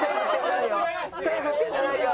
手振ってるんじゃないよ。